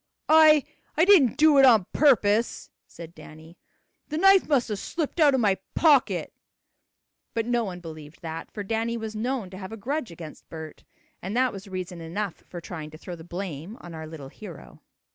"I I didn't do it on purpose," said Danny. "The knife must have slipped out of my pocket." But no one believed that, for Danny was known to have a grudge against Bert, and that was reason enough for trying to throw the blame on our little hero.